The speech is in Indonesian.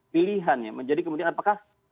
pilihan ya menjadi kemudian apakah